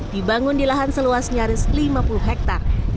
dibangun di lahan seluas nyaris lima puluh hektare